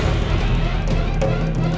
sampai jumpa lagi